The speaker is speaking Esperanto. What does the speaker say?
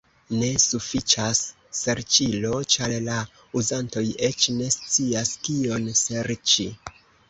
Ne sufiĉas serĉilo, ĉar la uzantoj eĉ ne scias kion serĉi.